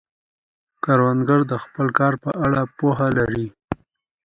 کروندګر د خپل کار په اړه پوهه لري